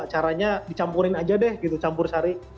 caranya dicampurin aja deh gitu campur sari